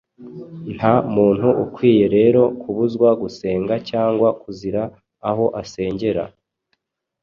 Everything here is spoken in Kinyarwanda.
Nta muntu ukwiye rero kubuzwa gusenga cyangwa kuzira aho asengera.